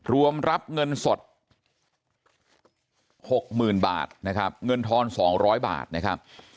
รวมรับเงินสด๖๐๐๐บาทนะครับเงินทอน๒๐๐บาทนะครับ